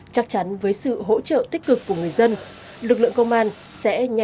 chắc chắn với sự hỗ trợ tích cực của người dân lực lượng công an sẽ